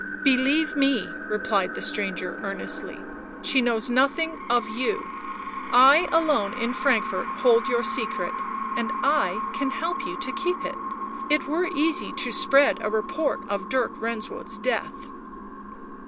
" Believe me," replied the stranger earnestly, " she knows nothing of you — I alone in Frankfort hold your secret, and I can help you to keep it ... it were easy to spread a report of Dirk Renswoude's death."